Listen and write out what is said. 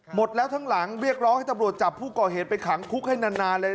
หมดแล้วทั้งหลังเรียกร้องให้ตำรวจจับผู้ก่อเหตุไปขังคุกให้นานเลย